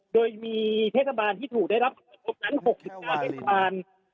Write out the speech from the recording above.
โดยมีเทศบาลที่ถูกได้รับผลกระทบนั้นหกสิบเก้าเป็นความ